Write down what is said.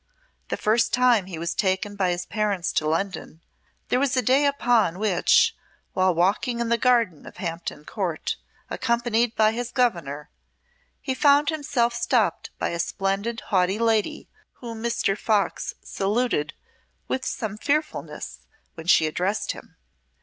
The first time he was taken by his parents to London, there was a day upon which, while walking in the garden of Hampton Court, accompanied by his governor, he found himself stopped by a splendid haughty lady, whom Mr. Fox saluted with some fearfulness when she addressed him.